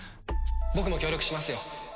僕も協力しますよ。